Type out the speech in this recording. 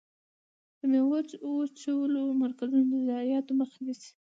د ميوو وچولو مرکزونه د ضایعاتو مخه نیسي.